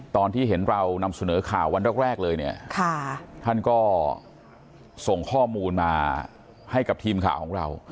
ตอนที่เห็นเรานำเสนอข่าววันแรกเลยเนี่ยท่านก็ส่งข้อมูลมาให้กับทีมข่าวของเรา